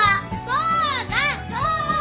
そうだそうだ！